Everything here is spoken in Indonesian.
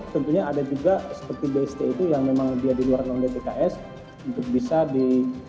tentunya ada juga seperti bst itu yang memang lebih di luar dtks untuk bisa di